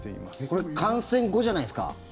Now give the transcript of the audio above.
これ感染後じゃないですか。